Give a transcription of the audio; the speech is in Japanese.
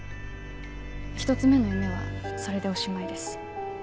１つ目の夢はそれでおしまいです。